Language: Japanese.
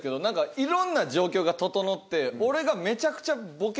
いろんな状況が整って俺が。